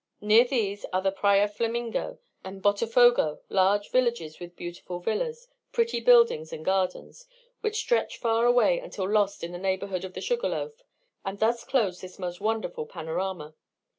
Near these are the Praya Flamingo and Botafogo, large villages with beautiful villas, pretty buildings, and gardens, which stretch far away until lost in the neighbourhood of the Sugarloaf, and thus close this most wonderful panorama.